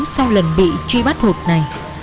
sau lần bị truy bắt hộp này